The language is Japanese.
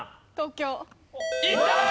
いったー！